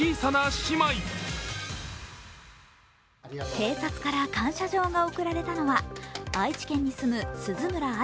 警察から感謝状が贈られたのは、愛知県に住む鈴村天